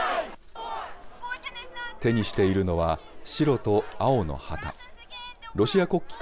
手にしているのは、白と青の旗。